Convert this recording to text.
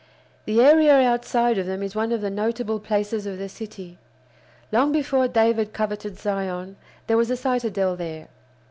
The area outside of them is one of the notable places of the city. Long before David coveted Zion there was a citadel there.